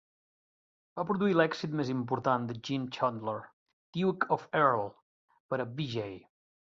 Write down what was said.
Va produir l'èxit més important de Gene Chandler, "Duke Of Earl" per a Vee-Jay.